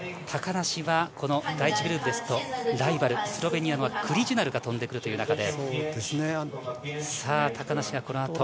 高梨はこの第１グループですと、ライバル、スロベニアのクリジュナルが飛んでくるという中で、さぁ、高梨がこの後。